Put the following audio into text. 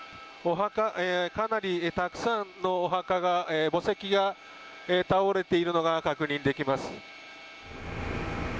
かなりたくさんのお墓、墓石が倒れているのが確認できます。